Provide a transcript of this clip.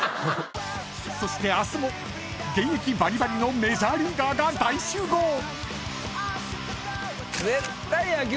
［そして明日も現役バリバリのメジャーリーガーが大集合！］